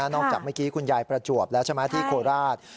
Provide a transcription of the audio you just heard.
นอกจากเมื่อกี้คุณยายประจวบและชมธิโคราช